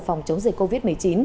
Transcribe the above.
phòng chống dịch covid một mươi chín